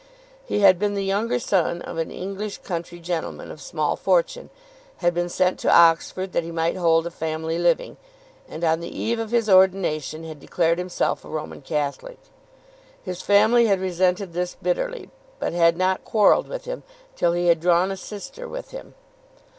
He had been the younger son of an English country gentleman of small fortune, had been sent to Oxford that he might hold a family living, and on the eve of his ordination had declared himself a Roman Catholic. His family had resented this bitterly, but had not quarrelled with him till he had drawn a sister with him.